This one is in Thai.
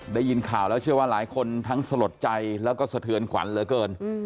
ได้ยินข่าวแล้วเชื่อว่าหลายคนทั้งสลดใจแล้วก็สะเทือนขวัญเหลือเกิน